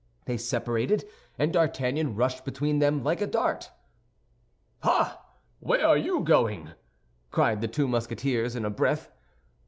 They separated, and D'Artagnan rushed between them like a dart. "Pah! Where are you going?" cried the two Musketeers in a breath.